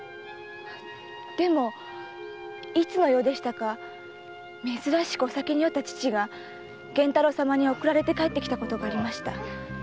でもいつの夜でしたか珍しくお酒に酔った父が源太郎様に送られて帰ってきたことがありました。